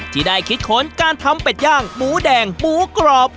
ที่ได้คิดค้นการทำเป็ดย่างหมูแดงหมูกรอบ